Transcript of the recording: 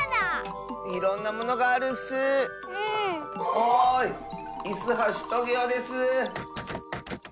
おいイスはしトゲオです。